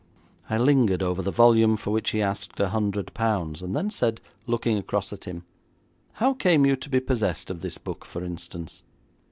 I lingered over the volume for which he asked a hundred pounds, then said, looking across at him: 'How came you to be possessed of this book, for instance?'